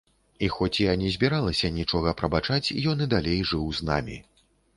І хоць я не збіралася нічога прабачаць, ён і далей жыў з намі.